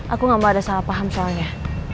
aku nggak mau ada salah paham soalnya